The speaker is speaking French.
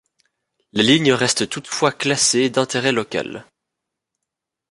La ligne reste toutefois classée d'intérêt local.